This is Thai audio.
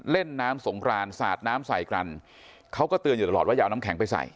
เล่นน้ำสงครานสาดน้ำใส่กันเขาก็เตือนอยู่ตลอดว่าอย่าเอาน้ำแข็งไปใส่